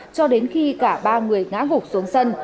cho đến khi cả ba người ngã gục xuống sân